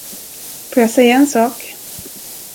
Får jag säga en sak?